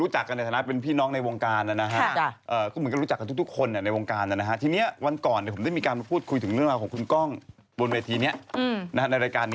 เหมือนกันแข่งขันกันถ้าเกิดอยากได้เหรียญทองต้องแข่งขันกัน